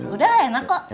udah enak kok